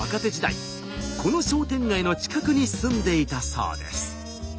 この商店街の近くに住んでいたそうです。